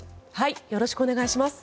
よろしくお願いします。